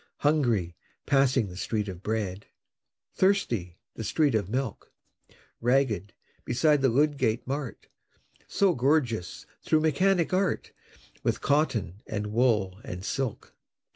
Hungry passing the Street of Bread; Thirsty the street of Milk; Ragged beside the Ludgate Mart, So gorgeous, through Mechanic Art, With cotton, and wool, and silk!